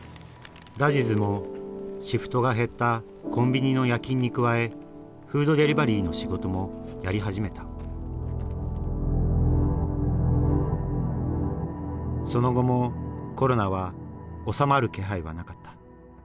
ラジズもシフトが減ったコンビニの夜勤に加えフードデリバリーの仕事もやり始めたその後もコロナは収まる気配はなかった。